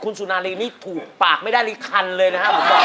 คุณสุนาลีนี่ถูกปากไม่ได้ลิคันเลยนะครับ